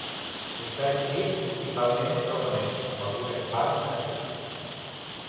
Està escrit principalment en romanès, amb algunes parts en anglès.